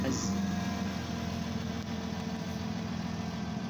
Bwe baatema emifulejje mu nnimiro zaabwe baagamba nti Emikutu gino ginaabeerangamu amazzi.